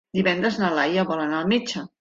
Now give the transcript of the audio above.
Divendres na Laia vol anar al metge.